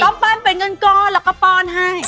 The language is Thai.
ต้องปั้นเป็นกันก้อนแล้วก็ปอนให้